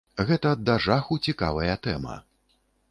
Гэта да жаху цікавая тэма.